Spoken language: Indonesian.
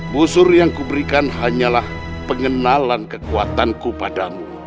busur yang kuberikan hanyalah pengenalan kekuatanku padamu